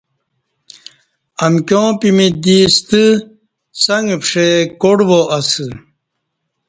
امکیاں پمیچ دی ستہ څݣ پݜئی کاٹ وا اسہ